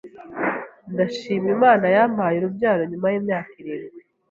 Ndashima Imana yampaye urubyaro nyuma y’imyaka irindwi